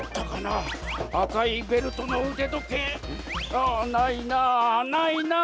ああないなあないなあ。